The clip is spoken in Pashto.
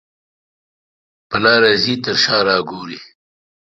په لاره ځې تر شا را ګورې.